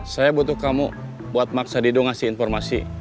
saya butuh kamu buat maksa dido ngasih informasi